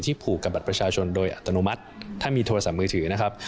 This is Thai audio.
ผูกกับบัตรประชาชนโดยอัตโนมัติถ้ามีโทรศัพท์มือถือนะครับ